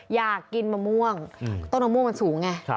อยากกินมะม่วงต้นมะม่วงมันสูงไง